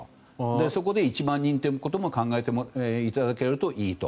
そこで１万人入れることも考えていただけるといいと。